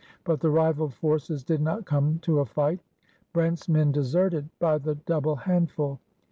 But the rival forces did not come to a fight. Brent's men deserted by the double handful.